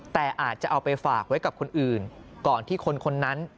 แต่อาจจะเอาไปฝากไว้กับคนอื่นก่อนที่คนคนนั้น